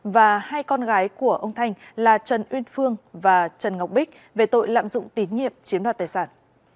và hai con gái của ông thanh là trần uyên phương và trần ngọc bích về tội lạm dụng tín nhiệm chiếm đoạt tài sản